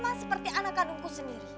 anak mas seperti anak kandungku sendiri